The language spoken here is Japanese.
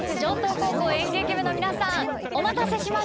高校演劇部の皆さんお待たせしました。